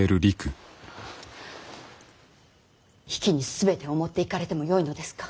比企に全てを持っていかれてもよいのですか。